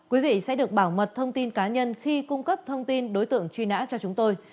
quý vị sẽ được bảo mật thông tin cá nhân khi cung cấp thông tin đối tượng truy nã cho chúng tôi